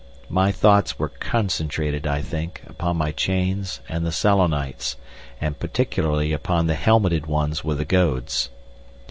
My thoughts were concentrated, I think, upon my chains and the Selenites, and particularly upon the helmeted ones with the goads.